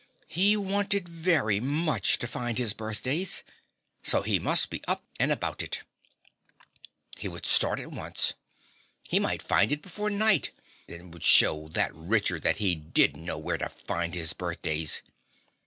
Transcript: He wanted very much to find his birthdays; so he must be up and about it. He would start at once; he might find it before night and would show that Richard that he did know where to find his birthdays.